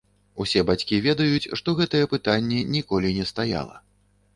Усе бацькі ведаюць, што гэтае пытанне ніколі не стаяла.